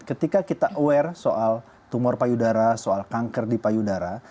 ketika kita aware soal tumor payudara soal kanker di payudara